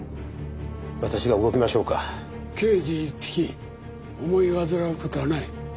刑事１匹思い煩う事はない。